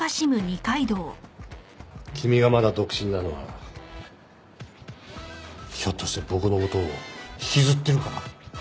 君がまだ独身なのはひょっとして僕の事を引きずってるから？